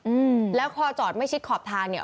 อืมแล้วพอจอดไม่ชิดขอบทางเนี่ย